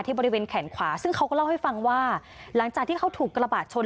บริเวณแขนขวาซึ่งเขาก็เล่าให้ฟังว่าหลังจากที่เขาถูกกระบะชน